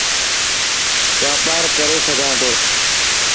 واپار ڪري سگھان ٿو.